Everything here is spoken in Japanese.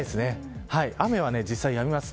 雨は実際、やみます。